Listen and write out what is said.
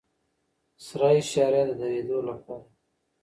سره اشاره د دریدو لپاره ده.